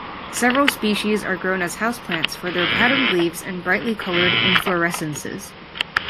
Several species are grown as houseplants for their patterned leaves and brightly coloured inflorescences.